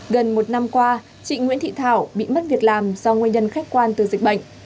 gần một năm qua chị nguyễn thị thảo bị mất việc làm do nguyên nhân khách quan từ dịch bệnh